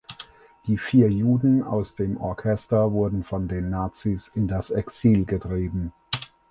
Die vier Juden aus dem Orchester wurden von den Nazis in das Exil getrieben.